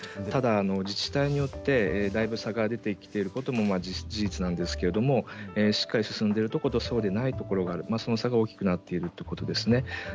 ただ自治体によって、だいぶ差が出てきていることも事実なんですけれどもしっかり進んでいるところとそうでないところの差が大きくなっているということですね。